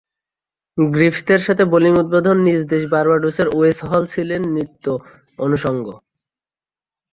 গ্রিফিথের সাথে বোলিং উদ্বোধনে নিজ দেশ বার্বাডোসের ওয়েস হল ছিলেন নিত্য অনুষঙ্গ।